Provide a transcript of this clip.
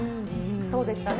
そうでしたね。